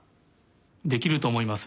できるとおもいます。